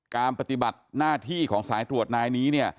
ปฏิบัติหน้าที่ของสายตรวจนายนี้